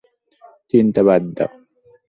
চিন্তা বাদ দাও।